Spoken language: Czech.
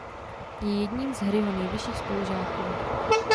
Je jedním z Harryho nejvyšších spolužáků.